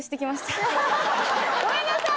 ごめんなさい！